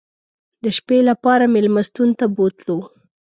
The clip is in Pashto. د شپې لپاره مېلمستون ته بوتلو.